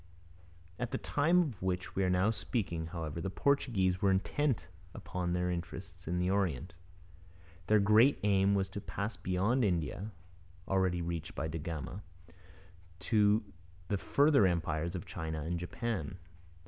At the time of which we are now speaking, however, the Portuguese were intent upon their interests in the Orient. Their great aim was to pass beyond India, already reached by da Gama, to the further empires of China and Japan.